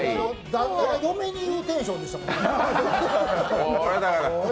旦那が嫁に言うテンションでした。